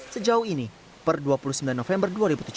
sejauh ini per dua puluh sembilan november